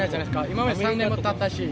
今まで３年たったし。